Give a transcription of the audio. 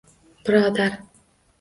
Birodar